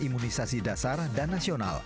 imunisasi dasar dan nasional